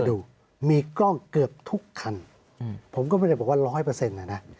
ดูมีกล้องเกือบทุกคันผมก็ไม่ได้บอกว่าร้อยเปอร์เซ็นต์อ่ะนะ